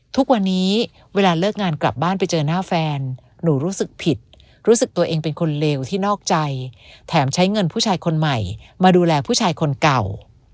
ทุกวันนี้เวลาเลิกงานกลับบ้านไปเจอหน้าแฟนหนูรู้สึกผิดรู้สึกตัวเองเป็นคนเลวที่นอกใจแถมใช้เงินผู้ชายคนใหม่มาดูแลผู้ชายคนเก่า